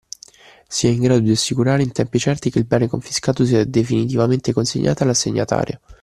Sia in grado di assicurare in tempi certi che il bene confiscato sia definitivamente consegnato all’assegnatario.